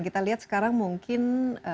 kita lihat sekarang mungkin